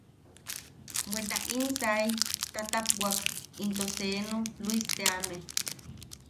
Bweta in sai tatapwak into seenu Luis teame.